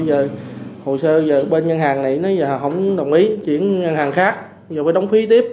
giờ hồ sơ ở bên ngân hàng